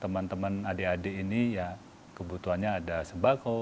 teman teman adik adik ini ya kebutuhannya ada sembako